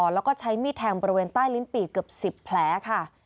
แล้วก็ใช้มีดแทงบริเวณใต้ลิ้นปีกเกือบ๑๐แผลค่ะ